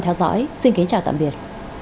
theo dõi xin kính chào tạm biệt